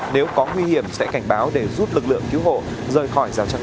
nếu có nguy hiểm sẽ cảnh báo để giúp lực lượng cứu hộ rời khỏi giao trang bốn